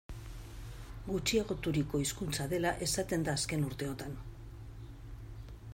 Gutxiagoturiko hizkuntza dela esaten da azken urteotan.